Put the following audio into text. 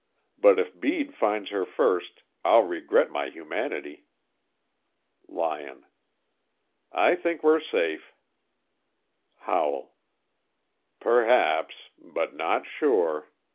But if Bede finds her first, I'll regret my humanity." Lyon: "I think we're safe." Howell: "Perhaps. But not sure."